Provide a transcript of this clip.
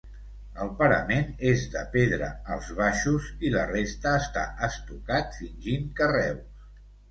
El parament és de pedra als baixos i la resta està estucat fingint carreus.